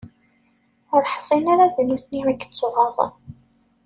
Ur ḥsin ara d nutni i yettuɣaḍen.